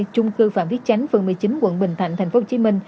chung cư phạm viết chánh phường một mươi chín quận bình thạnh tp hcm